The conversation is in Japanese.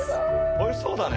おいしそうだね！